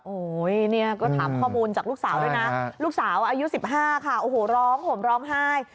โอ้โหเนี่ยก็ถามข้อมูลจากลูกสาวด้วยนะลูกสาวอายุ๑๕ค่ะโอ้โหร้องห่มร้องไห้